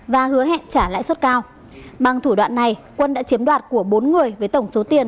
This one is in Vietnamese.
và hứa hẹn trả lãi suất cao bằng thủ đoạn này quân đã chiếm đoạt của bốn người với tổng số tiền